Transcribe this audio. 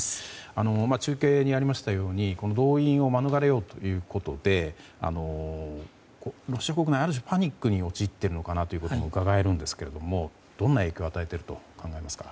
中継にありましたようにこの動員を免れようということでロシア国内、ある種パニックに陥っているのかなということもうかがえるんですがどんな影響を与えていると思いますか。